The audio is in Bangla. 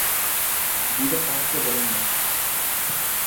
বিভা তাহাকে বলে নাই।